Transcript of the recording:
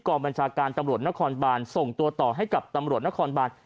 บัญชาการตำรวจนครบานส่งตัวต่อให้กับตำรวจนครบาน